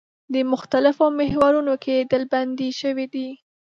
د مختلفو محورونو کې ډلبندي شوي دي.